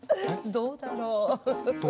どうだろう？